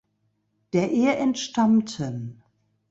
Der Ehe entstammten